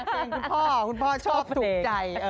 เป็นคุณพ่อคุณพ่อชอบถูกใจ